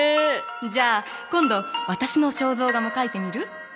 じゃあ今度私の肖像画も描いてみる？